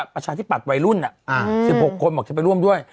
ประชาธิปัตยวัยรุ่น๑๖คนบอกจะไปร่วมด้วย